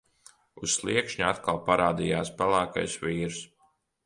Uz sliekšņa atkal parādījās pelēkais vīrs.